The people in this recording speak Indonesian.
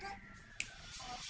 kalau apa apa kita berhenti